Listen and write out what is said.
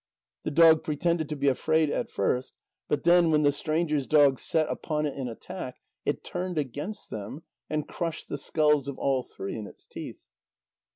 The dog pretended to be afraid at first, but then, when the stranger's dog set upon it in attack, it turned against them, and crushed the skulls of all three in its teeth.